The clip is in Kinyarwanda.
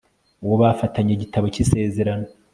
uwo bafatanye igitabo cy'isezerano